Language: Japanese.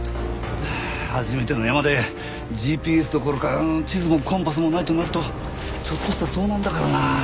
初めての山でＧＰＳどころか地図もコンパスもないとなるとちょっとした遭難だからな。